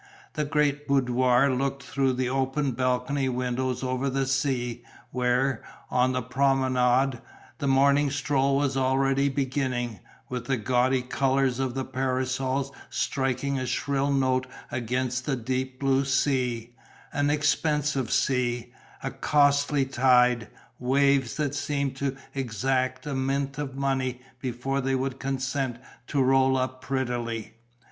The great boudoir looked through the open balcony windows over the sea, where, on the Promenade, the morning stroll was already beginning, with the gaudy colours of the parasols striking a shrill note against the deep blue sea, an expensive sea, a costly tide, waves that seemed to exact a mint of money before they would consent to roll up prettily.